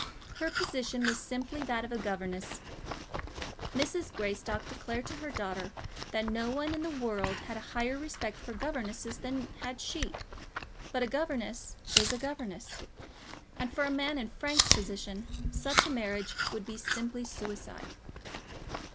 Her position was simply that of a governess. Mrs. Greystock declared to her daughter that no one in the whole world had a higher respect for governesses than had she. But a governess is a governess; and for a man in Frank's position such a marriage would be simply suicide.